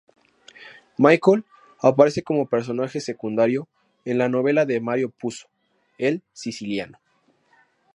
Michael aparece como personaje secundario en la novela de Mario Puzo, "El siciliano".